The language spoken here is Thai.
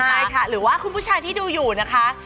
ใช่ค่ะหรือว่าคุณผู้ชายที่ดูอยู่นะคะ